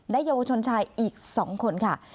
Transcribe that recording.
เยาวชนชายอีก๒คนค่ะ